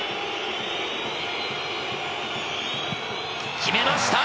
決めました！